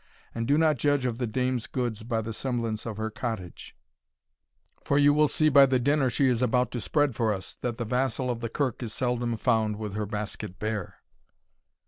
And do not judge of the dame's goods by the semblance of her cottage; for you will see by the dinner she is about to spread for us, that the vassal of the kirk is seldom found with her basket bare."